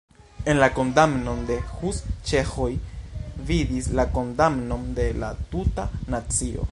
En la kondamno de Hus ĉeĥoj vidis la kondamnon de la tuta nacio.